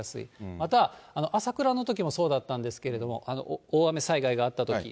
また、朝倉のときもそうだったんですけど、大雨災害があったとき。